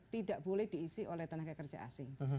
tidak boleh diisi oleh tenaga kerja asing